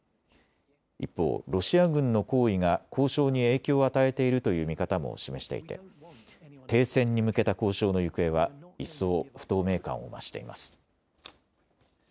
一方、ロシア軍の行為が交渉に影響を与えているという見方も示していて停戦に向けた交渉の行方は一層、不透明感を増しています。